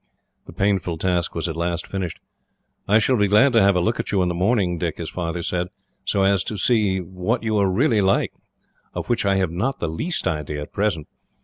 The painful task was at last finished. "I shall be glad to have a look at you in the morning, Dick," his father said, "so as to see what you are really like; of which I have not the least idea, at present.